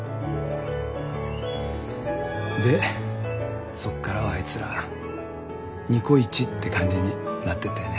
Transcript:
でそっからはあいつらニコイチって感じになってったよね。